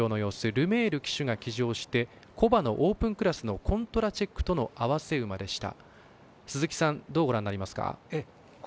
ルメール騎手が騎乗して古馬のオープンクラスのコントラチェックとの併せ馬でした。